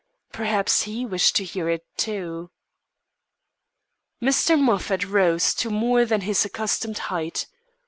Perhaps he wished to hear it, too. Mr. Moffat rose to more than his accustomed height.